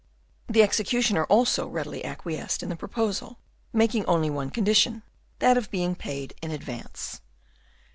The executioner also readily acquiesced in the proposal, making only one condition, that of being paid in advance.